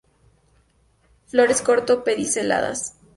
Flores corto pediceladas.